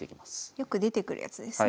よく出てくるやつですね。